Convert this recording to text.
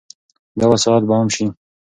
دا وسایل به عام شي.